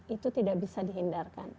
itu tidak bisa dihindarkan